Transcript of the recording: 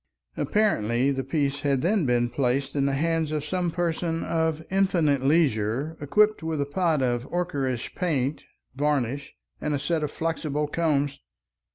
Apparently the piece had then been placed in the hands of some person of infinite leisure equipped with a pot of ocherous paint, varnish, and a set of flexible combs.